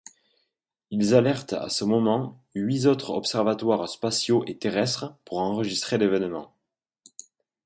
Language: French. Ils alertent à ce moment huit autres observatoires spatiaux et terrestres pour enregistrer l'événement.